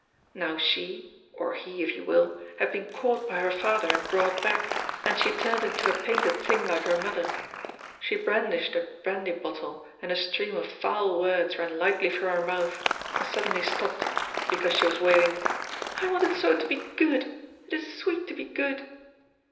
Now she or he, if you will had been caught by her father and brought back, and she turned into a painted thing like her mother. She brandished a brandy bottle and a stream of foul words ran lightly from her mouth and suddenly stopped, because she was wailing "I wanted so to be good, it is sweet to be good!"